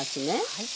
はい。